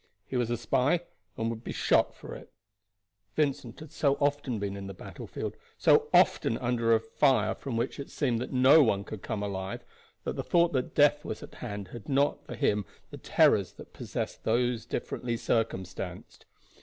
He was a spy, and would be shot for it. Vincent had so often been in the battlefield, so often under a fire from which it seemed that no one could come alive, that the thought that death was at hand had not for him the terrors that possess those differently circumstanced.